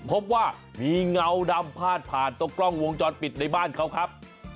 พบว่ามีเงาดำพาดผ่านตรงกล้องวงจรปิดในบ้านเขาครับ